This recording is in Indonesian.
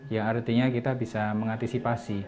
ya artinya kita bisa mengantisipasi